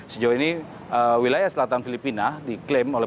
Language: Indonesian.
sejauh ini wilayah selatan filipina diklaim oleh